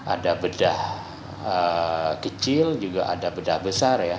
ada bedah kecil ada bedah besar ya